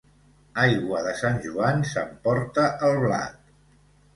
Aigua de Sant Joan s'emporta el blat.